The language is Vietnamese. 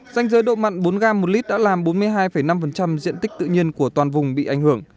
danh giới độ mặn bốn gram một lit đã làm bốn mươi hai năm diện tích tự nhiên của toàn vùng bị ảnh hưởng